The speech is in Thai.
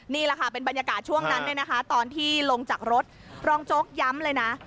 นี่แหละค่ะเป็นบรรยากาศช่วงนั้นเนี่ยนะคะตอนที่ลงจากรถรองโจ๊กย้ำเลยนะ